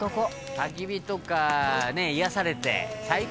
「たき火とかね癒やされて最高」